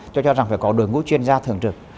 tôi cho rằng phải có đội ngũ chuyên gia thường trực